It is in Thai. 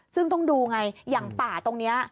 ซึ่งต้องดูไงอย่างป่าตรงนี้